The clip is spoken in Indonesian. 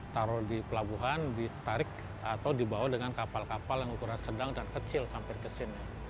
taruh di pelabuhan ditarik atau dibawa dengan kapal kapal yang ukuran sedang dan kecil sampai ke sini